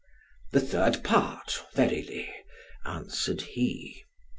"The third part, verily," answered he.